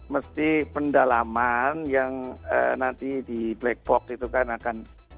mesti pendalaman yang nanti di black box itu kan akan